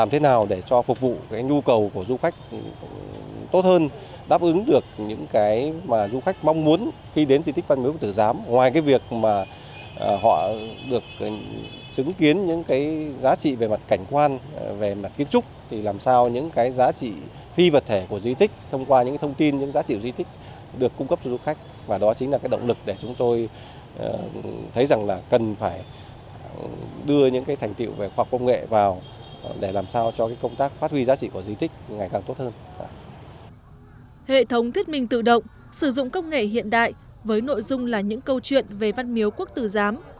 hệ thống thiết minh tự động sử dụng công nghệ hiện đại với nội dung là những câu chuyện về văn miếu quốc tử giám